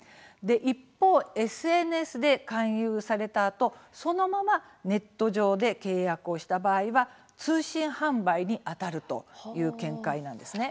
一方、ＳＮＳで勧誘されたあとそのままネット上で契約した場合通信販売にあたるという見解なんですね。